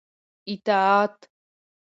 اطاعت